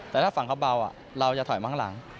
แต่ถ้าฝั่งเขาเบาเราจะถอยมาข้างหลัง